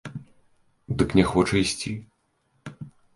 Дык не хоча ісці.